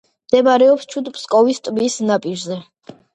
მდებარეობს ჩუდ-ფსკოვის ტბის ნაპირზე.